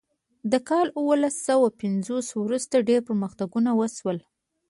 له کال اوولس سوه پنځوس وروسته ډیر پرمختګونه وشول.